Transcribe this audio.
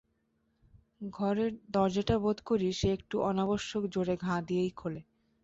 ঘরের দরজাটা বোধ করি সে একটু অনাবশ্যক জোরে ঘা দিয়েই খোলে।